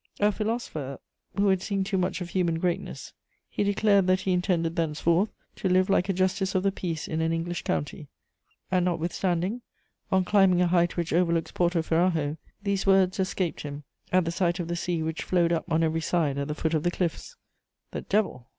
A philosopher who had seen too much of human greatness, he declared that he intended thenceforth to live like a justice of the peace in an English county: and notwithstanding, on climbing a height which overlooks Porto Ferrajo, these words escaped him at the sight of the sea which flowed up on every side at the foot of the cliffs: "The devil!